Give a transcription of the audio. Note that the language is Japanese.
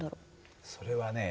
それはね